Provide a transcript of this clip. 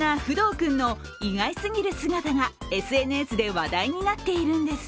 君の意外すぎる姿がＳＮＳで話題になっているんです。